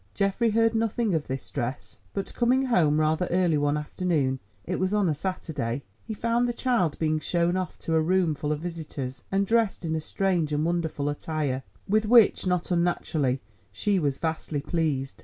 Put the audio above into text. Geoffrey heard nothing of this dress, but coming home rather early one afternoon—it was on a Saturday, he found the child being shown off to a room full of visitors, and dressed in a strange and wonderful attire with which, not unnaturally, she was vastly pleased.